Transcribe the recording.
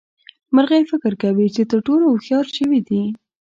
مرغۍ فکر کوي چې تر ټولو هوښيار ژوي دي.